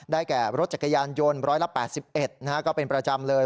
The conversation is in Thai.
แก่รถจักรยานยนต์๑๘๑ก็เป็นประจำเลย